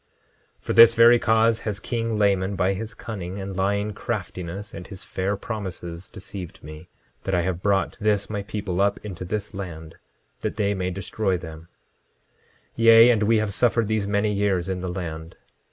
10:18 For this very cause has king Laman, by his cunning, and lying craftiness, and his fair promises, deceived me, that I have brought this my people up into this land, that they may destroy them; yea, and we have suffered these many years in the land.